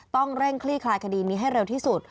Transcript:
ต้องเร่งคลี่คลายคดีนี้ให้เร็วที่สุด